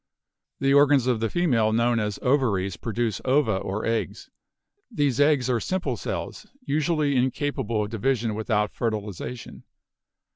The organs of the female known as ovaries pro duce ova or eggs. These eggs are simple cells, usually in capable of division without fertilization.